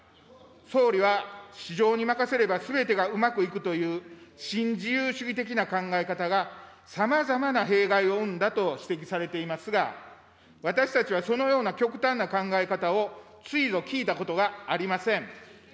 総理は市場に任せればすべてがうまくいくという、新自由主義的な考え方が、さまざまな弊害を生んだと指摘されていますが、私たちはそのような極端な考え方をついぞ聞いたことがありません。